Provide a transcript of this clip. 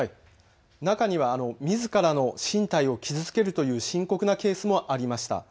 中にはみずからの身体を傷つけるという深刻なケースもありました。